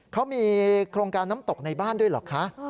เขามีโครงการน้ำตกในบ้านด้วยเหรอคะ